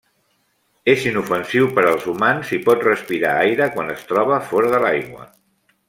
És inofensiu per als humans i pot respirar aire quan es troba fora de l'aigua.